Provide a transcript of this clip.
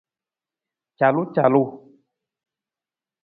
Calucalu.